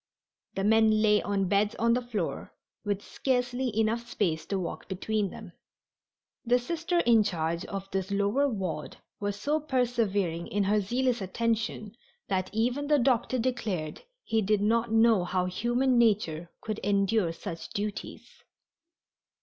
The men lay on beds on the floor, with scarcely enough space to walk between them. The Sister in charge of this lower ward was so persevering in her zealous attention that even the doctor declared he did not know how human nature could endure such duties.